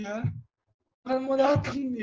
gak akan mau dateng